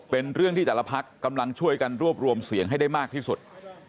เป็นเรื่องที่แต่ละพักกำลังช่วยกันรวบรวมเสียงให้ได้มากที่สุด